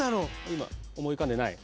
今思い浮かんでない？